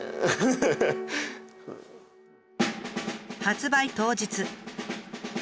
発売当日。